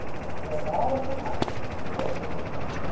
"With all my heart," quoth Little John.